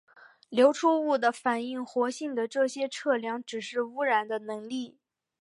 流出物的反应活性的这些测量指示污染的能力。